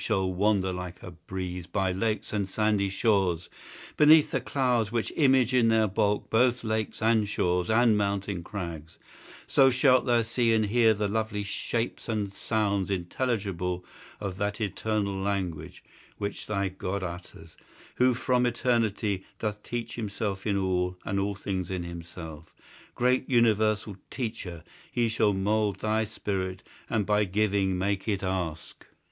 shalt wander like a breeze By lakes and sandy shores, beneath the clouds, Which image in their bulk both lakes and shores And mountain crags: so shalt thou see and hear The lovely shapes and sounds intelligible Of that eternal language, which thy God Utters, who from eternity, doth teach Himself in all, and all things in himself. Great universal Teacher! he shall mould Thy spirit, and by giving make it ask.